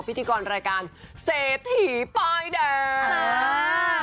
พิธีกรรายการเศรษฐีป้ายแดง